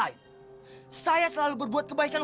akan kau juga tanpa senang ny output awal itu bisa iyi aika lu